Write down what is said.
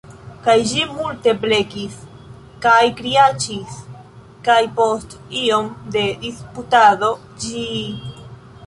Kaj ĝi multe blekis kaj kriaĉis kaj… post iom de disputado ĝi…